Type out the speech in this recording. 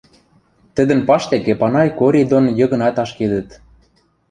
Тӹдӹн паштек Эпанай Кори дон Йыгнат ашкедӹт.